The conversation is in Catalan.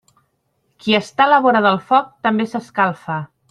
Qui està a la vora del foc també s'escalfa.